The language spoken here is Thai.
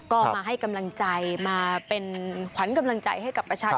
ก็มาให้กำลังใจมาเป็นขวัญกำลังใจให้กับประชาชน